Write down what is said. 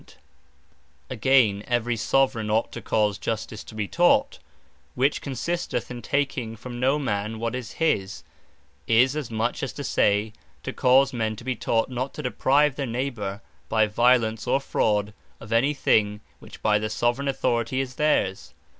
And To Avoyd Doing Of Injury: Again, every Soveraign Ought to cause Justice to be taught, which (consisting in taking from no man what is his) is as much as to say, to cause men to be taught not to deprive their Neighbour, by violence, or fraud, of any thing which by the Soveraign Authority is theirs.